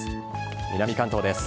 南関東です。